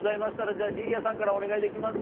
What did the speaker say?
じゃありりあさんからお願いできます？